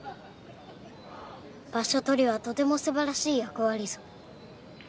場所取りはとても素晴らしい役割ぞ。